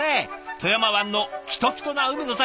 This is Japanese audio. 富山湾のきときとな海の幸。